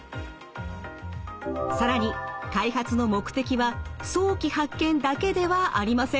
更に開発の目的は早期発見だけではありません。